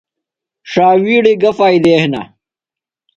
شاویڑی گہ فائدےۡ ہِنہ؟